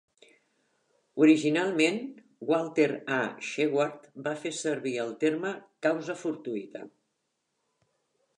Originalment, Walter A. Shewhart va fer servir el terme 'causa fortuïta'.